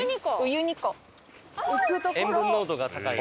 塩分濃度が高い。